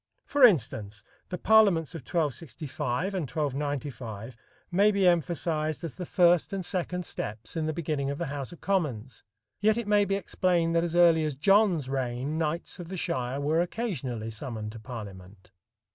For instance, the parliaments of 1265 and 1295 may be emphasized as the first and second steps in the beginning of the House of Commons, yet it may be explained that as early as John's reign knights of the shire were occasionally summoned to parliament.